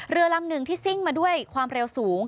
เรือลำหนึ่งที่ซิ่งมาด้วยความเร็วสูง